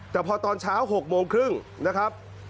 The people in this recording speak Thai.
แต่พอตอนเช้า๖โมงครึ่งนะครับ